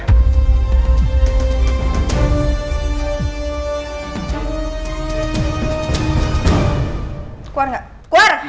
keluar nggak keluar